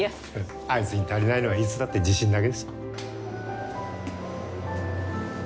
あいつに足りないのはいつだって自信だけですよ。